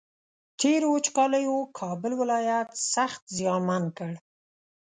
تېرو وچکالیو کابل ولایت سخت زیانمن کړ